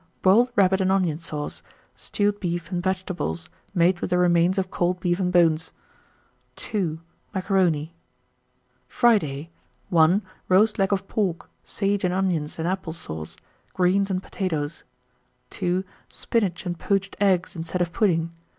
Boiled rabbit and onion sauce, stewed beef and vegetables, made with the remains of cold beef and bones. 2. Macaroni. 1929. Friday. 1. Roast leg of pork, sage and onions and apple sauce; greens and potatoes. 2. Spinach and poached eggs instead of pudding.